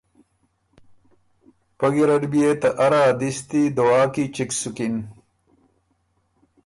پۀ ګیرډ بيې ته اره ا دِستی دعا کی چِګ سُکِن،